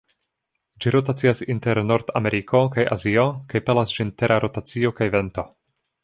Ĝi rotacias inter Nord-Ameriko kaj Azio kaj pelas ĝin Tera rotacio kaj vento.